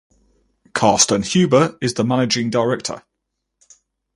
Carsten Huber is the managing director.